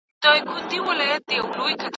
محصل د ليکني نیمګړتیاوې اصلاح کوي.